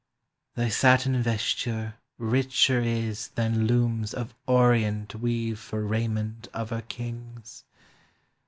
Thy satin vesture richer is than looms Of Orient weave for raiment of her kings!